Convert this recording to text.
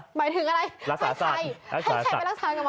หมายถึงอะไรให้ใครไปรักษากับหมอโต้ง